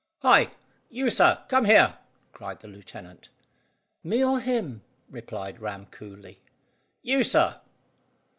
"Hi! You, sir; come here!" cried the lieutenant. "Me, or him?" replied Ram coolly. "You, sir."